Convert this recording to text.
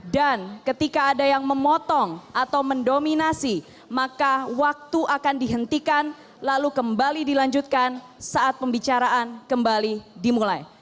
dan ketika ada yang memotong atau mendominasi maka waktu akan dihentikan lalu kembali dilanjutkan saat pembicaraan kembali dimulai